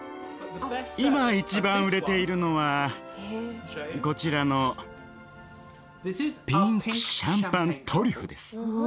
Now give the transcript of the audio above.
今一番売れているのはこちらのピンク・シャンパン・トリュフです。